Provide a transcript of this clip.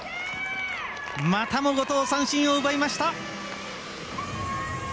またも後藤、三振を奪いました。